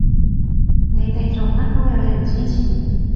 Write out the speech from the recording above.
你哋做乜都有人支持